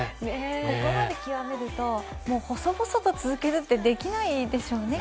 ここまで極めると、もう細々と続けるってできないでしょうね。